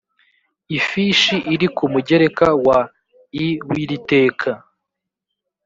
ifishi iri ku mugereka wa i w iri teka